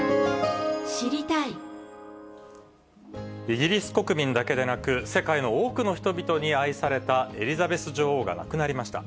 イギリス国民だけでなく、世界の多くの人々に愛されたエリザベス女王が亡くなりました。